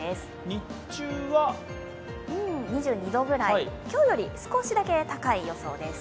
日中は２２度ぐらい、今日より少しだけ高い予想です。